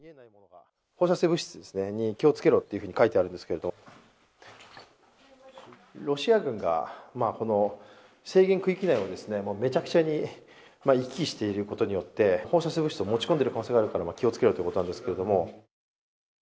「放射性物質に気をつけろ」っていうふうに書いてあるんですけどもロシア軍がこの制限区域内をめちゃくちゃに行き来していることによって放射性物質を持ち込んでいる可能性があるから気を付けろということなんですけれども。